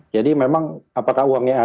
jadi memang apakah uangnya ada